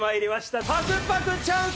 パクパクチャンス！